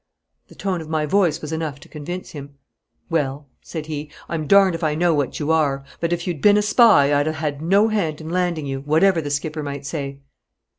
The tone of my voice was enough to convince him. 'Well,' said he,' I'm darned if I know what you are. But if you'd been a spy I'd ha' had no hand in landing you, whatever the skipper might say.'